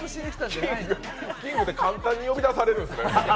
キングって簡単に呼び出されるんですね。